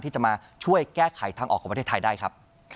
ที่จะมาช่วยแก้ไขทางออกของประเทศไทยได้ครับ